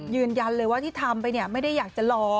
ยืนยันเลยว่าที่ทำไปเนี่ยไม่ได้อยากจะรอ